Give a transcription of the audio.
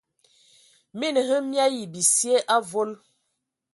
Mina hm mii ayi bisie avol.